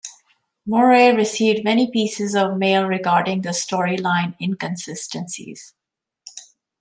Murray received many pieces of mail regarding the storyline inconsistencies.